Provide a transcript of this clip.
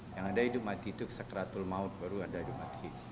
yang ada yang hidup mati itu sekeratul maut baru ada yang hidup mati